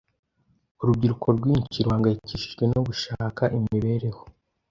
Urubyiruko rwinshi ruhangayikishijwe no gushaka imibereho,